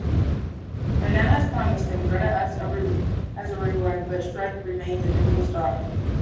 Murnau has promised him Greta as a reward, but Schreck remains a difficult star.